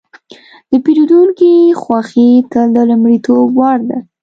د پیرودونکي خوښي تل د لومړیتوب وړ ده.